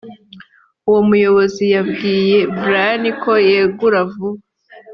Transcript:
uwo muyobozi yabwiye brian ko yegura vuba